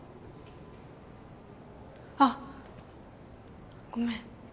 あっごめん